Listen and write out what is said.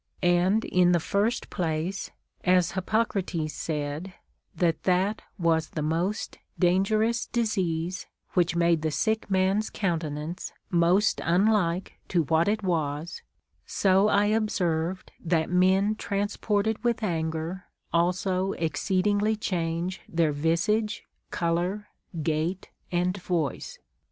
And, in the iirst place, as Hippocrates said that that was the most dan gerous disease which made the sick man's countenance most unlike to what it was, so I observed that men trans ported with anger also exceedingly change their visage, color, gait, and voice.